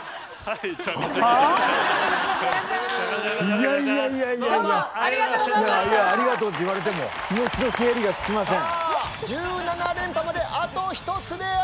いやいや「ありがとう」って言われてもさあ１７連覇まであと１つであります。